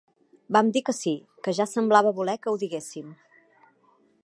Vam dir que sí, ja que semblava voler que ho diguéssim.